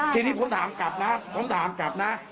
อ๋อทีนี้ผมถามกลับนะ